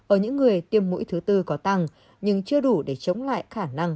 ở những người tiêm mũi thứ tư có tăng nhưng chưa đủ để chống lại khả năng